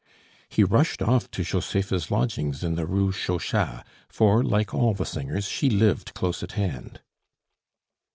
He rushed off to Josepha's lodgings in the Rue Chauchat; for, like all the singers, she lived close at hand.